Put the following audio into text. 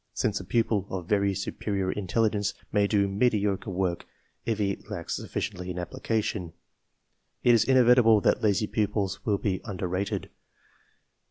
Since a pupil of very superior intelligence may do mediocre THE PROBLEM 13 work, if he lacks sufficiently in application, it is in evitable that lazy pupils will be under rated.